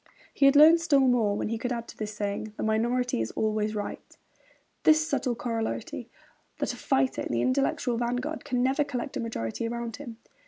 He had learned still more when he could add to his saying, 'The minority is always right,' this subtle corollary, that a fighter in the intellectual vanguard can never collect a majority around him.